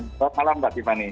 selamat malam mbak tiffany